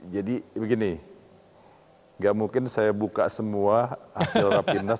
jadi begini nggak mungkin saya buka semua hasil rapimnas